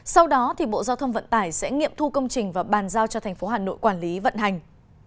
sau đó bộ giao thông vận tải sẽ nghiệm thu công trình và bàn giao cho thành phố hà nội quản lý vận hành